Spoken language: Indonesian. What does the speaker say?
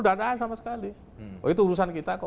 dadaan sama sekali oh itu urusan kita kok